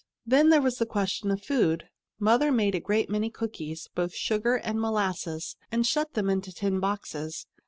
Then there was the question of food. Mother made a great many cookies, both of sugar and molasses, and shut them into tin boxes.